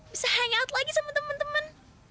bisa hangout lagi sama teman teman